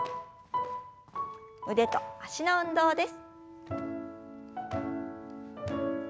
腕と脚の運動です。